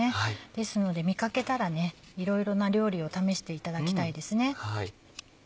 ですので見かけたらねいろいろな料理を試していただきたいですね。